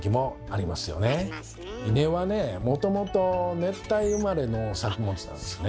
もともと熱帯生まれの作物なんですね。